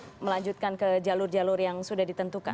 mk atau melanjutkan ke jalur jalur yang sudah ditentukan